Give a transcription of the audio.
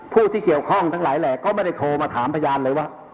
ผู้ที่เคี่ยวคร่องทั้งหลายแหล่ก็จะโทรมาถามพญานเลยว่า